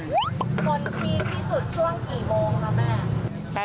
คนดีที่สุดช่วงกี่โมงคะแม่